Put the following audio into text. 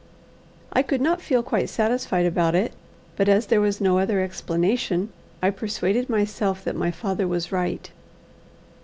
I could not feel quite satisfied about it, but, as there was no other explanation, I persuaded myself that my father was right.